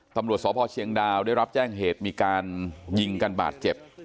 ตำรวจสพเชียงดาวได้รับแจ้งเหตุมีการยิงกันบาดเจ็บ